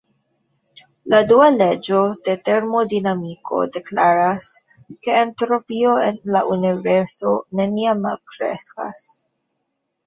La dua leĝo de termodinamiko deklaras, ke entropio en la Universo neniam malkreskas.